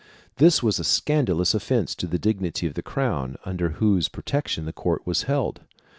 This was a scandalous offence to the dignity of the crown under whose protection the court was held.